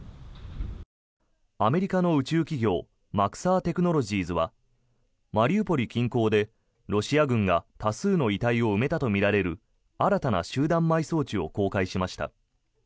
アメリカの宇宙企業マクサー・テクノロジーズはマリウポリ近郊でロシア軍が多数の遺体を埋めたとみられる新たな集団埋葬地を公開しました。